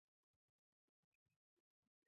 کروندګر د خاورې د مینې بیان دی